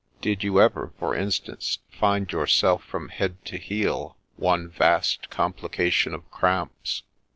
Did you ever, for instance, find yourself from head to heel one vast complica tion of cramps